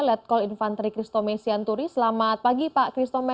let call infantry kristome sianturi selamat pagi pak kristome